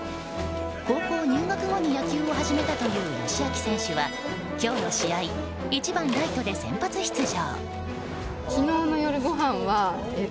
高校入学後に野球を始めたという佳亮選手は今日の試合１番ライトで先発出場。